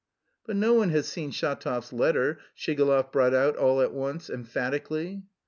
"But no one has seen Shatov's letter," Shigalov brought out all at once, emphatically.